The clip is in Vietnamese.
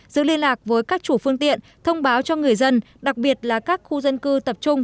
giữ liên lạc với các chủ phương tiện thông báo cho người dân đặc biệt là các khu dân cư tập trung